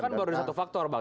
itu kan baru satu faktor bang